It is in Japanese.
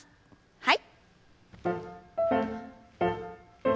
はい。